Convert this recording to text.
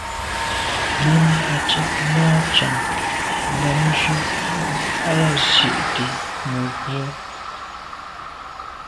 Námí à’cág ná cǎŋ ndǎmjú ā yā zí’də́ mə̀bró.